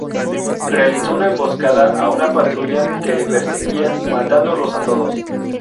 Realizó una emboscada a una patrulla que le perseguía, matándolos a todos.